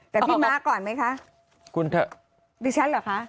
แต่พี่ม้าก่อนไหมคะพี่ฉันเหรอคะ